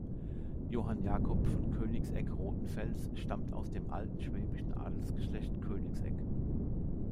Johann Jacob von Königsegg-Rothenfels stammt aus dem alten schwäbischen Adelsgeschlecht Königsegg.